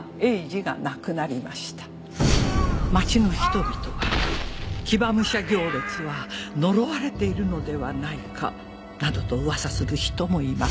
町の人々は「騎馬武者行列は呪われているのではないか」などと噂する人もいます。